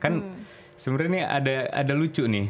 kan sebenarnya ini ada lucu nih